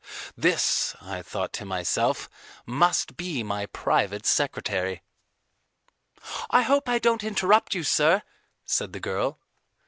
This, I thought to myself, must be my private secretary. "I hope I don't interrupt you, sir," said the girl.